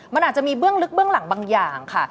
มันอาจจะมีเบื้องลึกเบื้องหลังบางอย่างค่ะ